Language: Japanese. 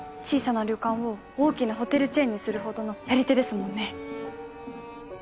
小さな旅館を大きなホテルチェーンにするほどのやり手ですもんね。